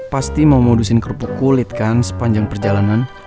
pasti mau modusin kerupuk kulit kan sepanjang perjalanan